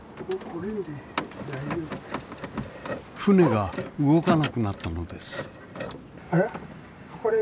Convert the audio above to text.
船が動かなくなったのです。